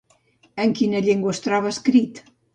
En quina llengua es troba escrit?